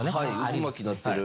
渦巻きになってる。